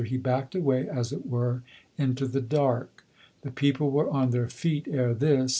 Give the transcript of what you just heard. He backed away, as it were, into the dark. The people were on their feet ere this.